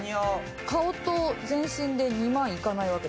顔と全身で２万いかないわけですからね。